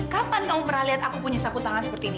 kapan kau pernah lihat aku punya sapu tangan seperti ini